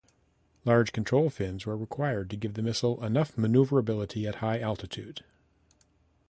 Large control fins were required to give the missile enough maneuvrability at high altitude.